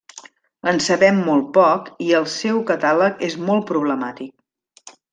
En sabem molt poc i el seu catàleg és molt problemàtic.